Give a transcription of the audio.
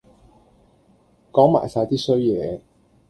講埋哂啲衰嘢